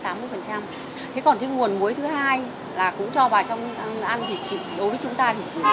thế còn cái nguồn muối thứ hai là cũng cho vào trong ăn thì chỉ đối với chúng ta thì chỉ là